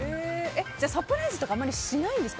サプライズとかあまりしないですか？